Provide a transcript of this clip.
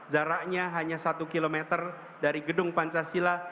jaraknya hanya satu km dari gedung pancasila